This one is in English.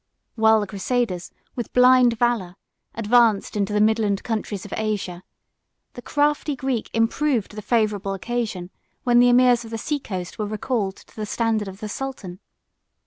While the crusaders, with blind valor, advanced into the midland countries of Asia, the crafty Greek improved the favorable occasion when the emirs of the sea coast were recalled to the standard of the sultan.